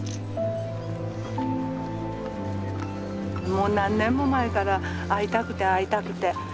もう何年も前から会いたくて会いたくて。